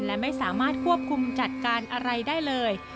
และไม่สามารถควบคุมจัดการอะไรได้เลย